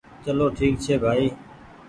چلو ٺيڪ ڇي ڀآئي